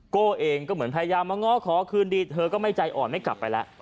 โก้เองก็เหมือนพยายามมาง้อขอคืนดีเธอก็ไม่ใจอ่อนไม่กลับไปแล้ว